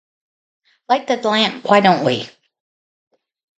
Light the lamp, why don't we?